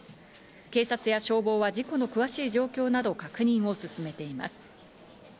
警察や消防は事故の詳しい状況など確認を進めています。